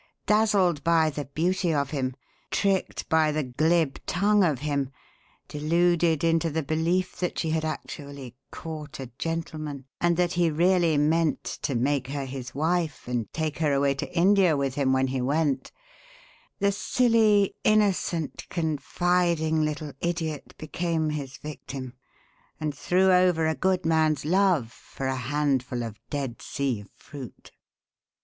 Dazzled by the beauty of him, tricked by the glib tongue of him, deluded into the belief that she had actually 'caught a gentleman' and that he really meant to make her his wife and take her away to India with him, when he went, the silly, innocent, confiding little idiot became his victim and threw over a good man's love for a handful of Dead Sea Fruit."